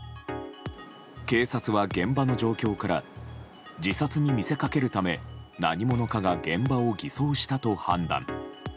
警察は現場の状況から自殺に見せかけるため何者かが現場を偽装したと判断。